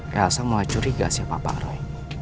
ya asal mulai curiga siapa pak roy